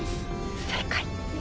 正解！